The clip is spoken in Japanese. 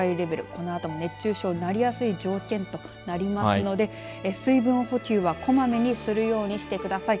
このあとも熱中症になりやすい条件となりますので水分補給は、こまめにするようにしてください。